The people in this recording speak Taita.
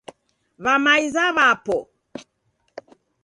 W'amaiza w'apo.